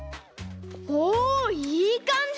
おおいいかんじ！